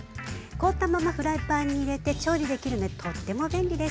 凍ったままフライパンに入れて調理できるのでとっても便利です。